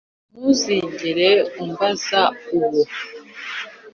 ntuzigere umbaza uwo